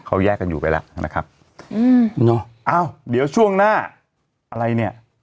เขาแยกกันอยู่ไปแล้วนะครับอืมเนอะอ้าวเดี๋ยวช่วงหน้าอะไรเนี่ย